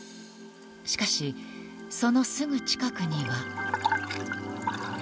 しかし、そのすぐ近くには。